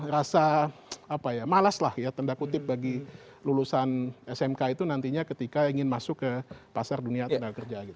rasa malas lah ya tanda kutip bagi lulusan smk itu nantinya ketika ingin masuk ke pasar dunia tenaga kerja